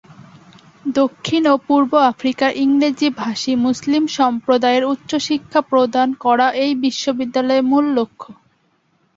দক্ষিণ ও পূর্ব আফ্রিকার ইংরেজিভাষী মুসলিম সম্প্রদায়ের উচ্চ শিক্ষা প্রদান করা এই বিশ্ববিদ্যালয়ের মূল লক্ষ্য।